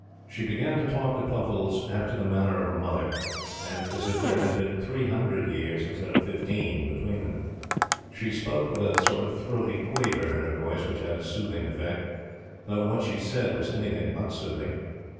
She began to talk to Pluffles after the manner of a mother, and as if there had been three hundred years, instead of fifteen, between them. She spoke with a sort of throaty quaver in her voice which had a soothing effect, though what she said was anything but soothing.